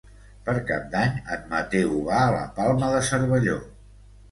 Per Cap d'Any en Mateu va a la Palma de Cervelló.